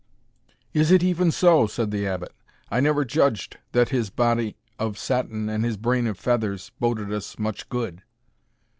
"Is it even so?" said the Abbot; "I never judged that his body of satin and his brain of feathers boded us much good."